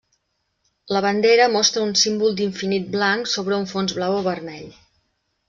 La bandera mostra un símbol d'infinit blanc sobre un fons blau o vermell.